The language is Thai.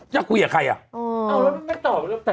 จะคุยกับใครอ่ะ